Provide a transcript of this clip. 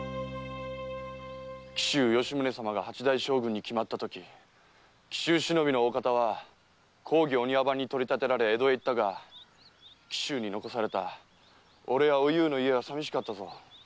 紀州吉宗様が八代将軍に決まったとき紀州忍びの大方は公儀お庭番に取り立てられ江戸へ行ったが紀州に残された俺やおゆうの家は淋しかったぞ。